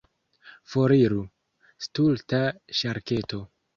Foriru, stulta ŝarketo!